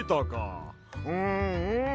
うんうん。